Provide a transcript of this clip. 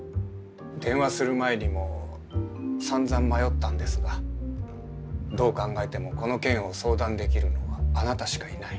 電話する前にもさんざん迷ったんですがどう考えてもこの件を相談できるのはあなたしかいない。